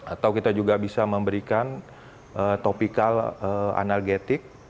atau kita juga bisa memberikan topikal analgetik